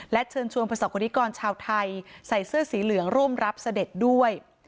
เชิญชวนประสบกรณิกรชาวไทยใส่เสื้อสีเหลืองร่วมรับเสด็จด้วย